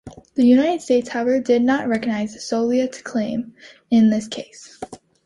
The United States however did not recognize the Soviet claim in this case.